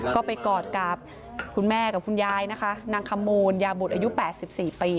ก็ไปกอดกับคุณแม่กับคุณยายนะคะนางขมูลยาบุตรอายุ๘๔ปี